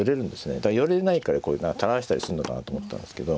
だから寄れないからこういう何か垂らしたりすんのかなと思ったんですけど。